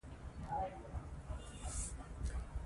پامیر د افغانانو د معیشت سرچینه ده.